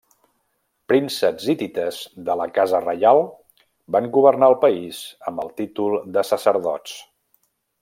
Prínceps hitites de la casa reial van governar el país amb el títol de sacerdots.